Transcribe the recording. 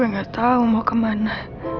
gue gak tau mau kemana